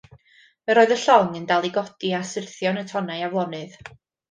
Yr oedd y llong yn dal i godi a syrthio yn y tonnau aflonydd.